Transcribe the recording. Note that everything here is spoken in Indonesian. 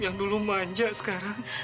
yang dulu manja sekarang